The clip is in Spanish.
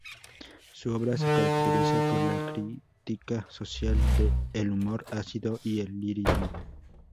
Su obra se caracteriza por la crítica social, el humor ácido, y el lirismo.